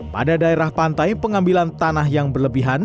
pada daerah pantai pengambilan tanah yang berlebihan